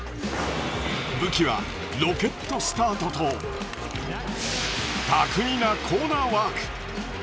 武器はロケットスタートと巧みなコーナーワーク。